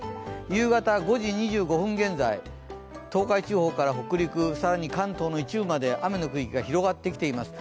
夕方５時２５分現在、東海地方から北陸、更に関東の一部まで雨の区域が広がってきています。